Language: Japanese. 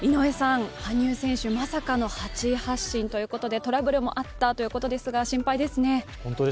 羽生選手、まさかの８位発進ということでトラブルもあったということですが、心配ですね。